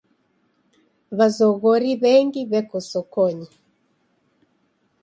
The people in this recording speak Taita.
W'azoghori w'engi w'eko sokonyi.